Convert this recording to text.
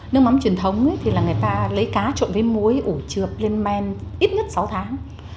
nước mắm truyền thống thì là người ta lấy cá trộn với muối ủ trượp lên men ít nhất sáu tháng